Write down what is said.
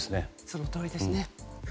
そのとおりですね。